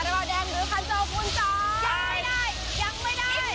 สุดท้ายค่ะสุดท้ายค่ะ